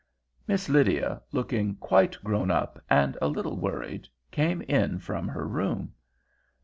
Miss Lydia, looking quite grown up and a little worried, came in from her room.